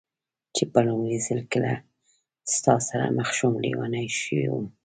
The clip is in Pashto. چې په لومړي ځل کله ستا سره مخ شوم، لېونۍ شوې وم.